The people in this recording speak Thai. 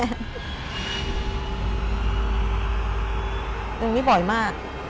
อันนี้บ่อยมาก